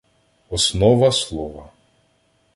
Основа слова